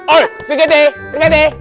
oi sedikit deh